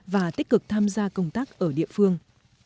và tích cực tham gia công tác ở địa phương